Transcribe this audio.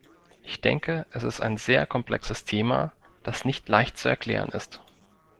Ich denke, es ist ein sehr komplexes Thema, das nicht leicht zu erklären ist.